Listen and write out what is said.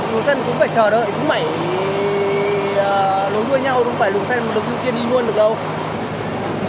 luồng xanh cũng phải chờ đợi cũng phải nối vui nhau cũng phải luồng xanh được ưu tiên đi luôn được đâu